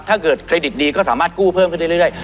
ถ้าเกิดเครดิตดีก็สามารถกู้เพิ่มขึ้นเรื่อย